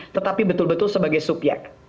tetapi betul betul sebagai subyek